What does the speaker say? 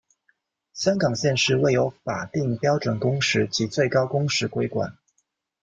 香港现时未有法定标准工时及最高工时规管。